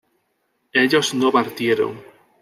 ellos no partieron